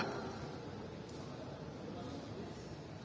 karena kalau saya memandang sebagai juri sejarah saya tidak akan meminta